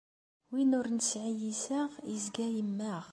Win ur nesɛi iseɣ, yezga yemmeɣ.